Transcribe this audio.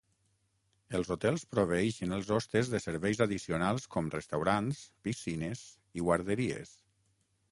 Els hotels proveeixen els hostes de serveis addicionals com restaurants, piscines i guarderies.